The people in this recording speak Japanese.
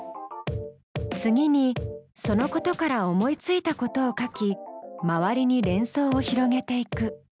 次にそのことから思いついたことを書き周りに連想を広げていく。